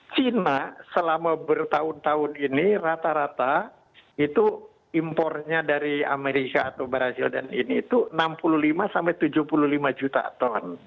china selama bertahun tahun ini rata rata itu impornya dari amerika atau brazil dan ini itu enam puluh lima sampai tujuh puluh lima juta ton